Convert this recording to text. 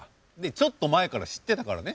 ちょっと前から知ってたからね